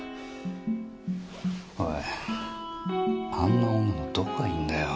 おいあんな女どこがいいんだよ？